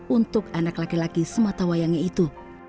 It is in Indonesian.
untuk anak laki laki sematawayangnya itu